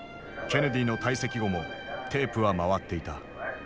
ケネディの退席後もテープは回っていた。